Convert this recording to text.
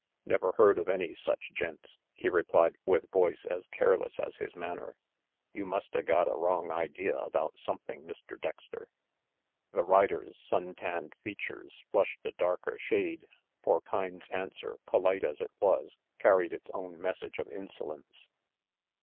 "Never heard of any such gents," he replied with voice as careless as his manner. "You musta got a wrong idea about something, Mr. Dexter." RANGY PETE 219 The rider's sun tanned features flushed a darker shade, for Kyne's answer, polite as it was, carried its own message of insolence.